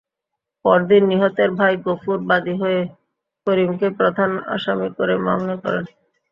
পরদিন নিহতের ভাই গফুর বাদী হয়ে করিমকে প্রধান আসামি করে মামলা করেন।